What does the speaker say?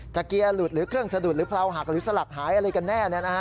เกียร์หลุดหรือเครื่องสะดุดหรือเพราหักหรือสลักหายอะไรกันแน่